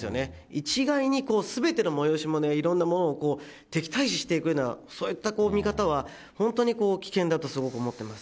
一概にすべての催し物やいろんなものを敵対視していくようなそういった見方は、本当にこう危険だとすごく思っています。